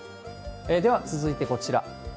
では続いてこちら。